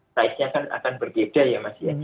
price nya akan berbeda ya mas